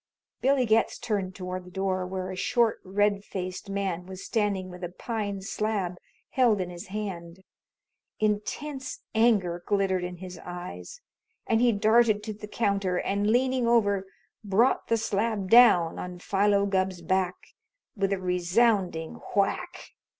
Billy Getz turned toward the door, where a short, red faced man was standing with a pine slab held in his hand. Intense anger glittered in his eyes, and he darted to the counter and, leaning over, brought the slab down on Philo Gubb's back with a resounding whack.